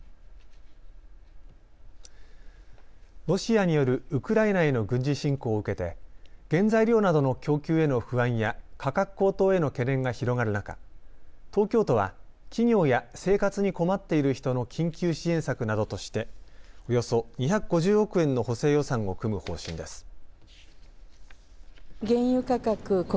ロシアによるウクライナへの軍事侵攻を受けて原材料などの供給への不安や価格高騰への懸念が広がる中、東京都は企業や生活に困っている人の緊急支援策などとしておよそ２５０億円の補正予算を組む方針です。